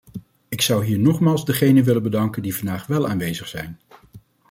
Ik zou hier nogmaals degenen willen bedanken die vandaag wel aanwezig zijn.